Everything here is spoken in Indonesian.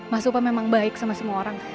mas upah memang baik sama semua orang